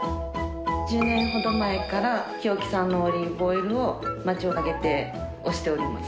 １０年ほど前から日置産のオリーブオイルを町を挙げて推しております。